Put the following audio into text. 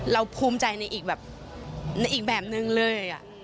เราพูมใจเยอะเอ้ย